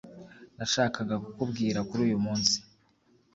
nashakaga kukubwira kuri uyumunsi